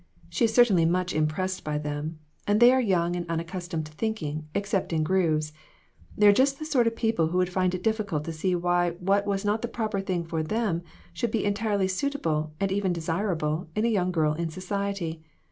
She is certainly much impressed by them ; and they are young and unaccustomed to thinking, except in grooves. They are just the sort of people who would find it difficult to see why what was not the proper thing for them, should be entirely suitable, and even desirable, in a young girl in society.